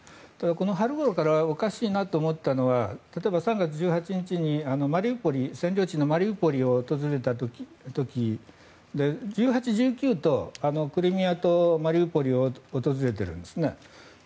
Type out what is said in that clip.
春ごろからおかしいなと思ったのは３月１８日に占領地のマリウポリを訪れた時１８、１９とクリミアとマリウポリを訪れているんですね。